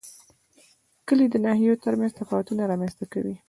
کلي د ناحیو ترمنځ تفاوتونه رامنځ ته کوي.